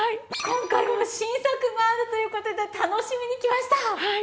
今回は新作があるという事で楽しみに来ました。